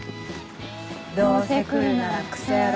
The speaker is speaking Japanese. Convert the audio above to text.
どうせ来るならクソ野郎。